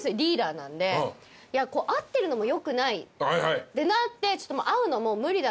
なんで会ってるのもよくないってなって。